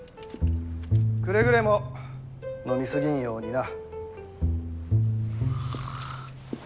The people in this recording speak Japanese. くれぐれも飲み過ぎんようにな。